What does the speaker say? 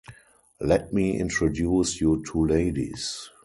Let me introduce you two ladies.